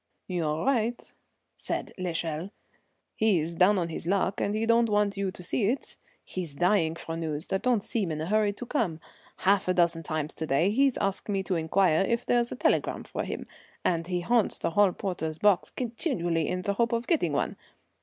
"You're right," said l'Echelle. "He's down on his luck, and he don't want you to see it. He's dying for news that don't seem in a hurry to come. Half a dozen times to day he's asked me to inquire if there's a telegram for him, and he haunts the hall porter's box continually in the hope of getting one.